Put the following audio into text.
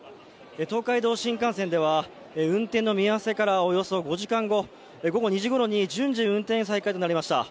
東海道新幹線では運転の見合わせからおよそ５時間後、午後２時ごろに順次運転再開となりました。